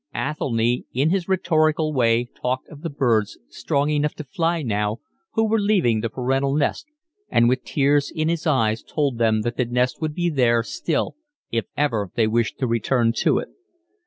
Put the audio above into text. Athelny in his rhetorical way talked of the birds, strong enough to fly now, who were leaving the parental nest, and with tears in his eyes told them that the nest would be there still if ever they wished to return to it.